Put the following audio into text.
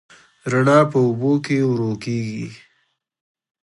رڼا په اوبو کې ورو کېږي.